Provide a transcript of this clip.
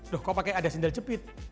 duh kok pakai ada sendal jepit